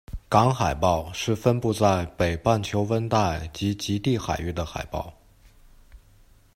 港海豹是分布在北半球温带及极地海域的海豹。